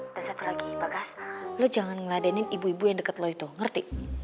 dan satu lagi bagas lu jangan ngeladenin ibu ibu yang deket lu itu ngerti